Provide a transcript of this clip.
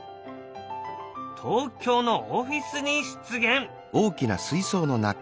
東京のオフィスに出現。